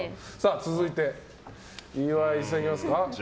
続いて、岩井さん、行きますか。